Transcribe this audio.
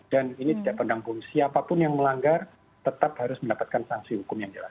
dan ini tidak pendampung siapapun yang melanggar tetap harus mendapatkan sanksi hukum yang jelas